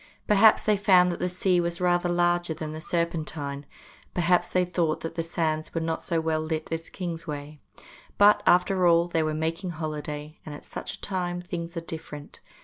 Perhaps they found that the sea was rather larger than the Serpentine, perhaps they thought that the sands were not so well lit as Kingsway ; but, after all, they were making holiday, and at such a time things are different.